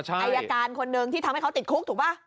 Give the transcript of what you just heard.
อายการคนหนึ่งที่ทำให้เขาติดคุกถูกป่ะ